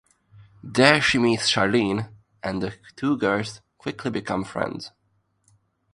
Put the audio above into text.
There she meets Charlene and the two girls quickly become friends.